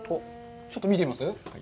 ちょっと見てみます？